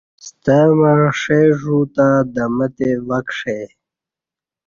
ستمع ݜئی ژ و تہ دمہ تے وَکݜے